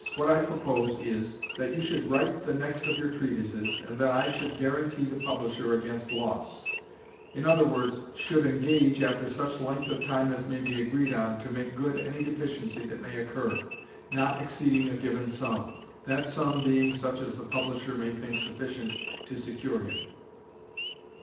what I propose is, that you should write the next of your treatises, and that I should guarantee the publisher against loss; i.e., should engage, after such length of time as may be agreed on, to make good any deficiency that may occur, not exceeding a given sum, that sum being such as the publisher may think sufficient to secure him."